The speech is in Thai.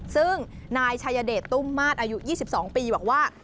ซึ่งนายชายเดชตุ้มมาตรอายุ๒๒ปีบอกว่า